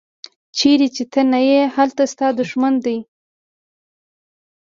چیرې چې ته نه یې هلته ستا دوښمن دی.